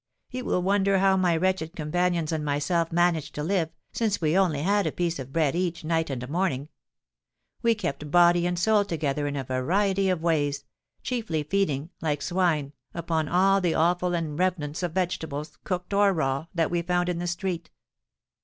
"You will wonder how my wretched companions and myself managed to live, since we only had a piece of bread each, night and morning. We kept body and soul together in a variety of ways, chiefly feeding, like swine, upon all the offal and remnants of vegetables, cooked or raw, that we found in the street.